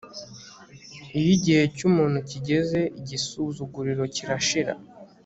iyo igihe cyumuntu kigeze igisuzuguriro kirashira